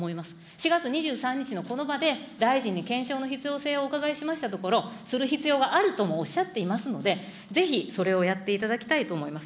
７月２５日のこの場で、大臣に検証の必要性をお伺いしましたけれども、する必要があるともおっしゃっていますので、ぜひそれをやっていただきたいと思います。